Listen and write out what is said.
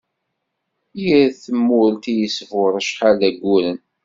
Yir tumelt i yesbur acḥal d ayyuren.